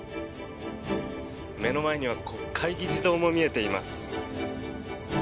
目の前には国会議事堂も見えています。